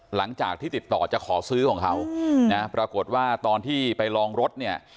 หลังจากที่ติดต่อจะขอซื้อของเขานะปรากฏว่าตอนที่ไปลองรถเนี่ย